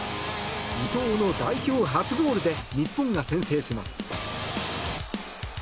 伊藤の代表初ゴールで日本が先制します。